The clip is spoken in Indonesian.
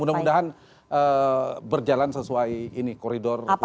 mudah mudahan berjalan sesuai ini koridor hukum kita